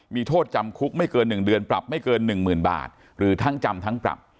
มีโทษจำคุกไม่เกินหนึ่งเดือนปรับไม่เกินหนึ่งหมื่นบาทหรือทั้งจำทั้งปรับ